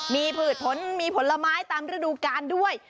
มีผืดผลมีผลไม้ตามฤดูกาลด้วย